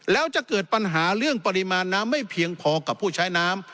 แล้วจะเกิดปัญหาเรื่องปริมาณน้ำไม่เพียงพอกับผู้ใช้น้ำ